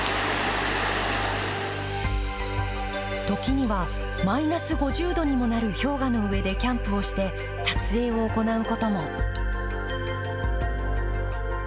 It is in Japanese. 時にはマイナス５０度にもなる氷河の上でキャンプをして撮影を行うことも。